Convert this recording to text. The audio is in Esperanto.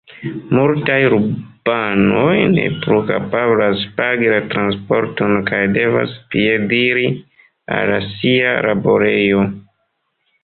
Multaj urbanoj ne plu kapablas pagi la transporton kaj devas piediri al sia laborejo.